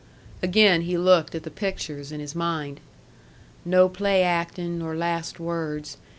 Again he looked at the pictures in his mind. "No play acting nor last words.